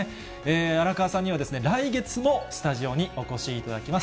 荒川さんにはですね、来月もスタジオにお越しいただきます。